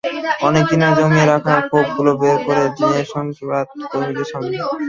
অনেক দিনের জমিয়ে রাখা ক্ষোভগুলো বের করে দিলেন সংবাদ কর্মীদের সামনে।